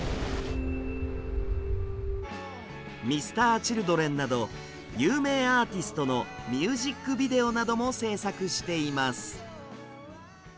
Ｍｒ．Ｃｈｉｌｄｒｅｎなど有名アーティストのミュージックビデオなども制作しています。